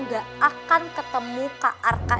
gak akan ketemu k arka